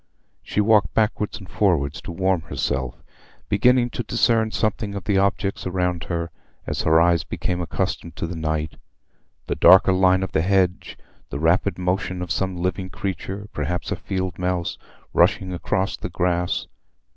She walked backwards and forwards to warm herself, beginning to discern something of the objects around her, as her eyes became accustomed to the night—the darker line of the hedge, the rapid motion of some living creature—perhaps a field mouse—rushing across the grass.